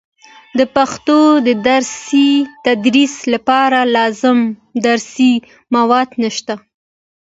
د پښتو د تدریس لپاره لازم درسي مواد نشته.